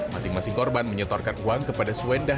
masing masing korban menyetorkan uang kepada suwenda